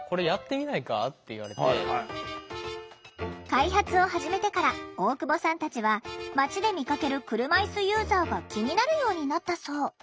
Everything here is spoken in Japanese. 開発を始めてから大久保さんたちは街で見かける車いすユーザーが気になるようになったそう。